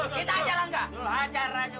kita ajar rangga